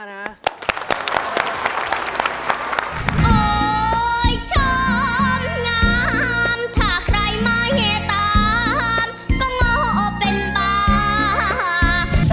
โอ๊ยชอบงามถ้าใครไม่ให้ตามก็ง้อเป็นบ้า